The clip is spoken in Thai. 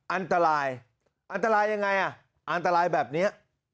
อันตรายอันตรายยังไงอ่ะอันตรายแบบนี้